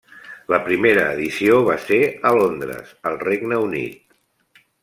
La primera edició va ser a Londres al Regne Unit.